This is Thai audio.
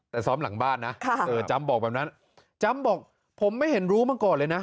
แต่ซ้อมหลังบ้านนะจำบอกแบบนั้นจำบอกผมไม่เห็นรู้มาก่อนเลยนะ